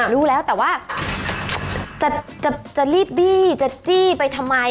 รู้แล้วแต่ว่าจะรีบบี้จะจี้ไปทำไม